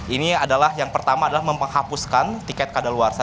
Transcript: ini adalah yang pertama adalah menghapuskan tiket kadaluarsa